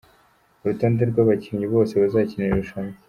Urutonde rw’abakinnyi bose bazakina irir rushanwa.